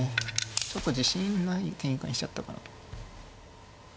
ちょっと自信ない展開にしちゃったかなと。